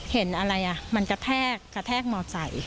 เห็นอะไรอ่ะมันกระแทกมอไซค